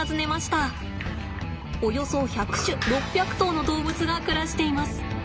およそ１００種６００頭の動物が暮らしています。